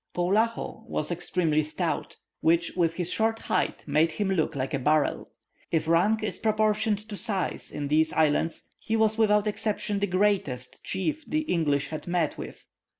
Poulaho was extremely stout, which with his short height made him look like a barrel. If rank is proportioned to size in these islands, he was without exception the greatest chief the English had met with.